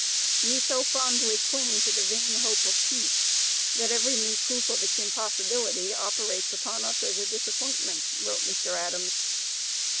"We so fondly cling to the vain hope of peace, that every new proof of its impossibility operates upon us as a disappointment," wrote Mr. Adams.